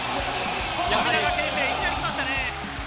富永啓生、いきなり来ましたね！